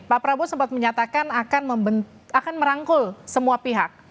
pak prabowo sempat menyatakan akan merangkul semua pihak